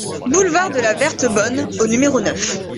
Boulevard de la Verte Bonne au numéro neuf